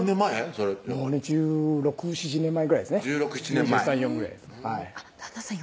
それ１６１７年前ぐらいですね２３２４ぐらいです旦那さん